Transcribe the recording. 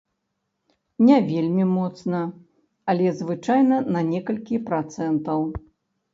Не вельмі моцна, але звычайна на некалькі працэнтаў.